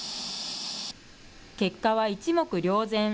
結果は一目瞭然。